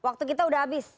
waktu kita udah habis